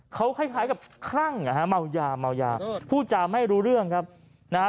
ไขวไส้เป็นอะไรเอาไปเห็นไหมรู้ตัวไม่ทำอะไรลงไป